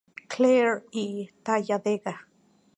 Clair y Talladega.